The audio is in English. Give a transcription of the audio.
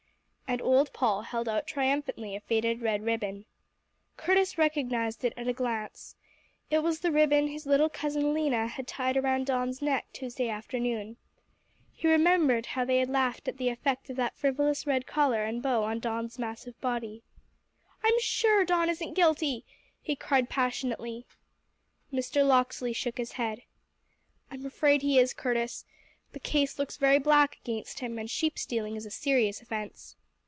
And old Paul held out triumphantly a faded red ribbon. Curtis recognized it at a glance. It was the ribbon his little cousin, Lena, had tied around Don's neck Tuesday afternoon. He remembered how they had laughed at the effect of that frivolous red collar and bow on Don's massive body. "I'm sure Don isn't guilty!" he cried passionately. Mr. Locksley shook his head. "I'm afraid he is, Curtis. The case looks very black against him, and sheep stealing is a serious offence."